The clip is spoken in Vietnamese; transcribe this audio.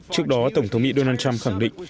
trước đó tổng thống mỹ donald trump khẳng định